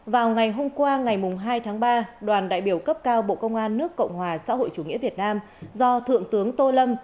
vào ngày hôm qua ngày hai tháng ba đoàn đại biểu cấp cao bộ công an nước cộng hòa xã hội chủ nghĩa việt nam do thượng tướng tô lâm